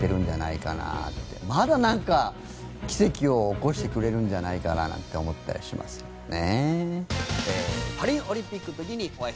まだなんか奇跡を起こしてくれるんじゃないかななんて思ったりしますけどもね。